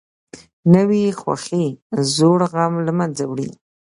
نوې خوښي زوړ غم له منځه وړي